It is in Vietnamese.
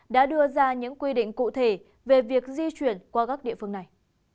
đã đưa ra những quy định cụ thể về việc di chuyển qua các địa phương này